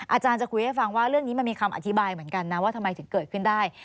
อาจารย์จะคุยให้ฟังว่าเรื่องนี้มันมีคำอธิบายเหมือนกันนะว่าทำไมถึงเกิดขึ้นได้